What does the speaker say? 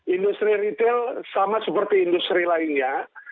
industri retail sama seperti industri lainnya